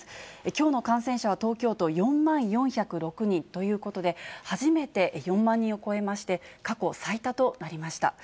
きょうの感染者は東京都、４万４０６人ということで、初めて４万人を超えまして、過去最多となりました。